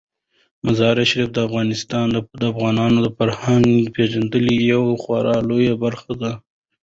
مزارشریف د افغانانو د فرهنګي پیژندنې یوه خورا لویه برخه ده.